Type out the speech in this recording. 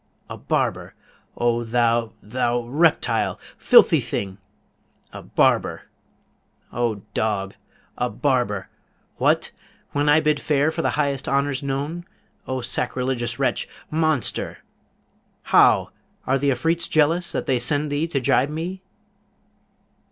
A barber! O thou, thou reptile! filthy thing! A barber! O dog! A barber? What? when I bid fair for the highest honours known? O sacrilegious wretch! monster! How? are the Afrites jealous, that they send thee to jibe me?'